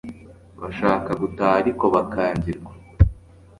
bashaka gutaha ariko bakangirwa